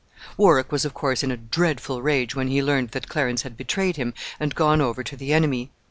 Warwick was, of course, in a dreadful rage when he learned that Clarence had betrayed him and gone over to the enemy.